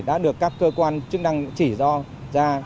đã được các cơ quan chức năng chỉ do ra